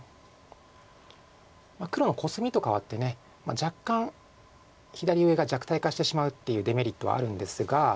黒のコスミと換わって若干左上が弱体化してしまうっていうデメリットはあるんですが。